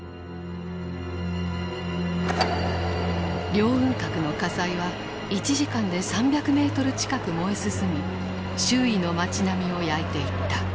凌雲閣の火災は１時間で３００ｍ近く燃え進み周囲の街並みを焼いていった。